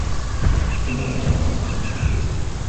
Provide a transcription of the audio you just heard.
ربما يكون قد مات.